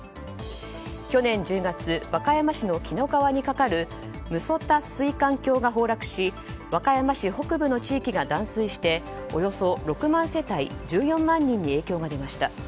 去年１０月和歌山市の紀の川に架かる六十谷水管橋が崩落し和歌山市北部の地域が断水しておよそ６万世帯、１４万人に影響が出ました。